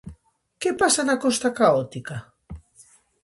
Que pasa na costa caótica?